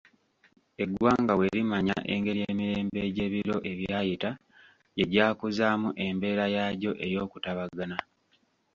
Eggwanga bwe limanya engeri emirembe egy'ebiro ebyayita gye gyakuzaamu embeera yaagyo ey'okutabagana.